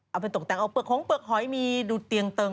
เอาเปลือกโผล่งเปลือกหอยมีดูเตียงเติง